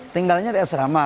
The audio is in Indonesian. tinggalnya di asrama